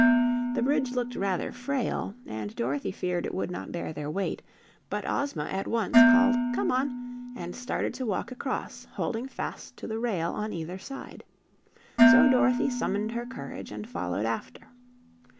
The bridge looked rather frail and Dorothy feared it would not bear their weight, but Ozma at once called, "Come on!" and started to walk across, holding fast to the rail on either side. So Dorothy summoned her courage and followed after.